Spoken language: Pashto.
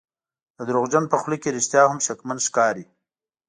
د دروغجن په خوله کې رښتیا هم شکمن ښکاري.